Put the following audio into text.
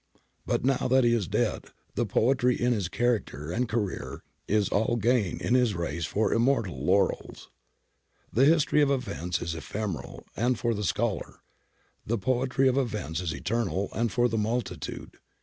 . But now that he is dead, the poetry in his character and career is all gain in his race for im mortal laurels. The history of events is ephemeral and for the scholar ; the poetry of events is eternal and for the multitude.